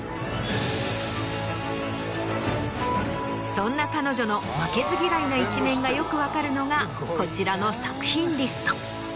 そんな彼女の負けず嫌いな一面がよく分かるのがこちらの作品リスト。